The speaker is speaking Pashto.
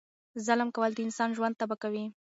ظلم کول د انسان ژوند تبا کوي.